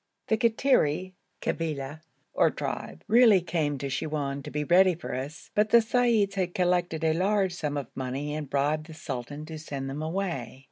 The Kattiri kabila, or tribe, really came to Siwoun to be ready for us, but the seyyids had collected a large sum of money and bribed the sultan to send them away.